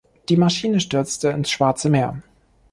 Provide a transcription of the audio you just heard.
Die Maschine stürzte ins Schwarze Meer.